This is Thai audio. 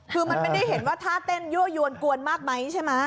คือมันไม่ได้ว่าถ้าเต้นยั่วยวนกวนมากมั้ยใช่ไหม